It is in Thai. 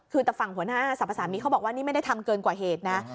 คือแต่ฝั่งหัวหน้าสรรพสามีเขาบอกว่านี่ไม่ได้ทำเกินกว่าเหตุนะ